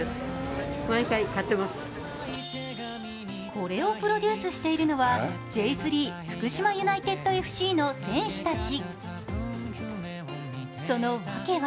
これをプロデュースしているのは、Ｊ３福島ユナイテッドＦＣの選手たち。